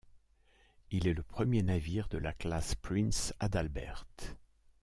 Il est le premier navire de la classe Prinz Adalbert.